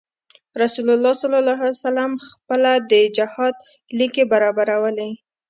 رسول الله صلی علیه وسلم خپله د جهاد ليکې برابرولې.